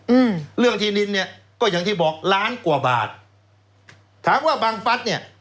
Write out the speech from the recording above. อืมเรื่องที่ดินเนี้ยก็อย่างที่บอกล้านกว่าบาทถามว่าบังฟัสเนี้ย